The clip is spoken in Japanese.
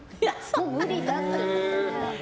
もう無理だって。